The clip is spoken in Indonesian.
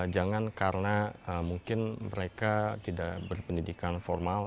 jangan karena mungkin mereka tidak berpendidikan formal